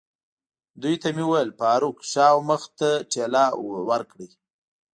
دوی ته مې وویل: فاروق، شا او مخ ته ټېله ورکړئ.